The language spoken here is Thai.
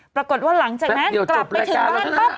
ปรากฏว่าหลังจากนั้นกลับไปถึงว่าแป๊บเดี๋ยวจบรายการแล้วครับ